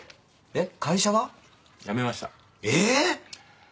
えっ？